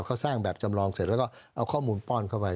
เขาสร้างแบบจำลองเสร็จแล้วก็เอาข้อมูลป้อนเข้าไป